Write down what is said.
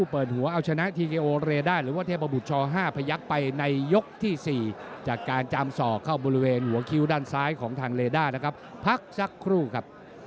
โปรดติดตามตอนต่อไป